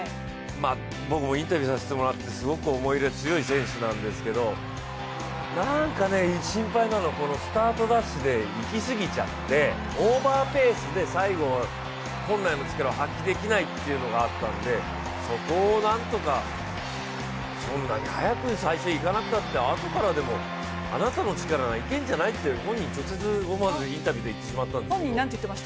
僕もインタビューさせてもらってすごく思い入れが強い選手なんですけどなんか心配なのは、スタートダッシュで行き過ぎちゃってオーバーペースで最後、本来の力を発揮できないというのがあったんでそこを何とか、そんなに速く最初に行かなくたって、あとからでも、あなたの力ならいけるんじゃない？と本人に直接インタビューで言っちゃったんですけど。